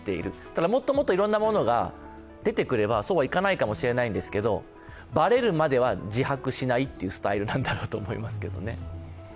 ただ、もっともっといろいろなものが出てくればそうはいかないかもしれないんですが、ばれるまでは自白しないというスタイルなんだろうと思います。